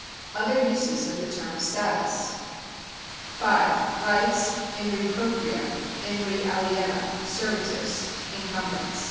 Other uses of the term status. V R" Vit (In re propria. yin re alicna — servitus — encumbrance.